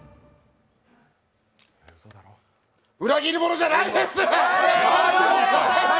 裏切りものじゃないです！